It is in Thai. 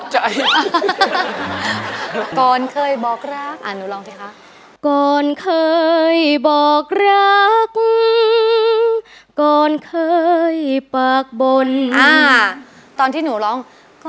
จริง